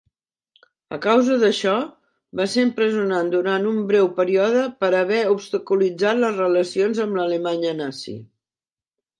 A causa d'això, va ser empresonat durant un breu període per haver obstaculitzat les relacions amb l'Alemanya nazi.